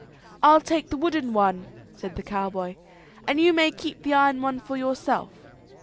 "I'll take the wooden one," said the cowboy; "and you may keep the iron one for yourself."